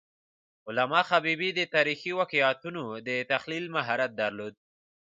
علامه حبیبي د تاریخي واقعیتونو د تحلیل مهارت درلود.